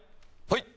はい！